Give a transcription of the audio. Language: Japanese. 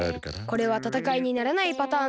これはたたかいにならないパターンとみた。